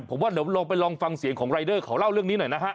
ผมว่าเดี๋ยวลองไปลองฟังเสียงของรายเดอร์เขาเล่าเรื่องนี้หน่อยนะฮะ